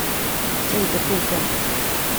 這一個部分